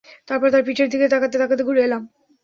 তারপর তার পিঠের দিকে তাকাতে তাকাতে ঘুরে এলাম।